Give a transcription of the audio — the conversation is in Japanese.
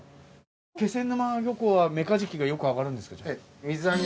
気仙沼漁港はメカジキがよく揚がるんですか？